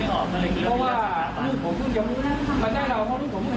ควรยังได้ไม่เคยคุยอะไร